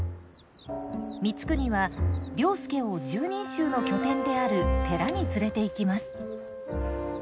光圀は了助を拾人衆の拠点である寺に連れていきます。